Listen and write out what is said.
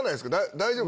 大丈夫？